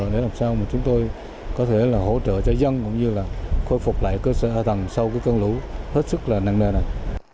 để làm sao chúng tôi có thể hỗ trợ cho dân cũng như khôi phục lại cơ sở hợp tầng sau cơn lũ hết sức nặng nề này